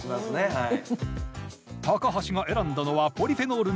はい。